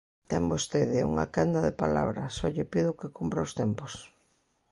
Ten vostede unha quenda de palabra, só lle pido que cumpra os tempos.